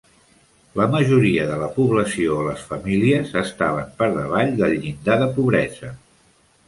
La majoria de la població o les famílies estaven per davall del llindar de pobresa.